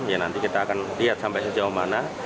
ya nanti kita akan lihat sampai sejauh mana